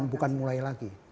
oh bukan mulai lagi